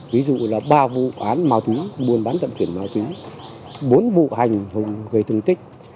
ví dụ là ba vụ án mau túi bốn vụ hành hùng gây thương tích